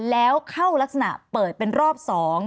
แล้วเข้ารักษณะเปิดเป็นรอบ๒